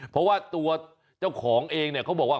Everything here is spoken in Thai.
เพราะว่าตัวเจ้าของเองเนี่ยเขาบอกว่า